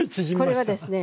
これはですね